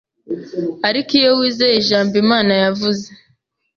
ariko iyo wizeye ijambo Imana yavuze